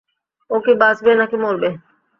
ও কি বাঁচবে, নাকি মরবে?